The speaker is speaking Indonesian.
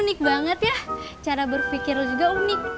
lo unik banget ya cara berpikir lo juga unik